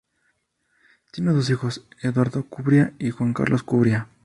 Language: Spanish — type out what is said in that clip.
Tiene dos hijos, Eduardo Cubría y Juan Carlos Cubría.